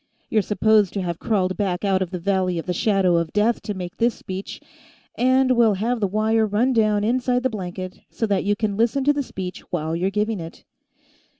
you're supposed to have crawled back out of the Valley of the Shadow of Death to make this speech ... and we'll have the wire run down inside the blanket, so that you can listen to the speech while you're giving it.